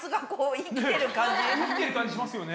生きてる感じしますよね。